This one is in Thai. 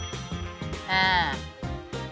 อ่า